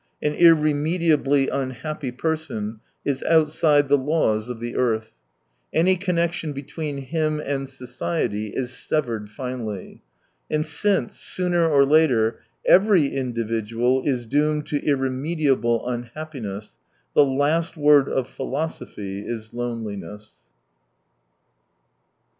An irremediably unhappy person is outside the laws of the earth. Any connection between him and society is severed finally. And since, sooner or later, every individual is doomed to irremediable unhappiness, the last word of philosophy is loneliness.